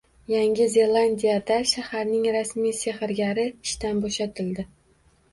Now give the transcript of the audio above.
Yangi Zelandiyada shaharning rasmiy sehrgari ishdan bo‘shatildi